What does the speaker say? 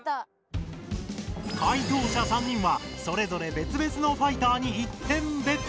解答者３人はそれぞれべつべつのファイターに１点ベット！